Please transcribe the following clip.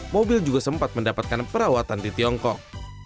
mobil juga sempat mendapatkan perawatan di tiongkok